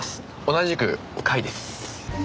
同じく甲斐です。